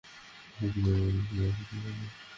ইংলণ্ডের অধিকাংশ লোকই জাতিভেদের দারুণ পক্ষপাতী।